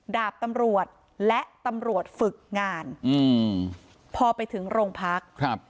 ดาบตำรวจและตำรวจฝึกงานอืมพอไปถึงโรงพักครับ